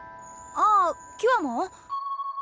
ああキュアモ？